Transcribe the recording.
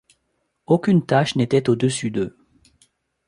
Aucune tâche n’était au-dessus d’eux.